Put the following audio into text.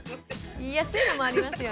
言いやすいのもありますよね。